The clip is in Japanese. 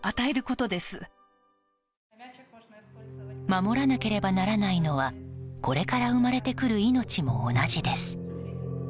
守らなければならないのはこれから生まれてくる命も同じです。